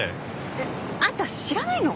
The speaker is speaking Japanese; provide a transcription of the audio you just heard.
えっあんた知らないの？